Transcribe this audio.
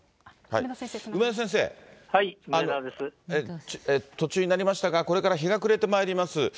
梅田先生、途中になりましたがこれから日が暮れてまいります。